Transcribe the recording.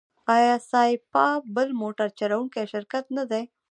آیا سایپا بل موټر جوړوونکی شرکت نه دی؟